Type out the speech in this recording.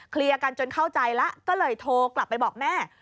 กันจนเข้าใจแล้วก็เลยโทรกลับไปบอกแม่